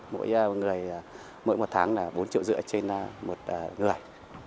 mỗi người mỗi một tháng là bốn triệu rưỡi trên một người